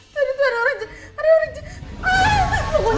tadi tuh ada orang jatuh